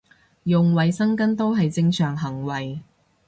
用衞生巾都係正常行為